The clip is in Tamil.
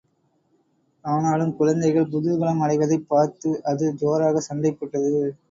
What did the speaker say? ஆனாலும், குழந்தைகள் குதூகலம் அடைவதைப் பார்த்து அது ஜோராகச் சண்டை போட்டது.